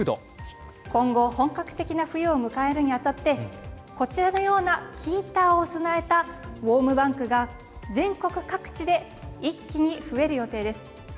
今後本格的な冬を迎えるにあたってこちらのようなヒーターを備えたウォーム・バンクが全国各地で一気に増える予定です。